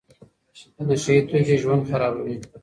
نشه يي توکي ژوند خرابوي.